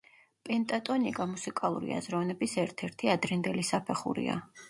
პენტატონიკა მუსიკალური აზროვნების ერთ-ერთი ადრინდელი საფეხურია.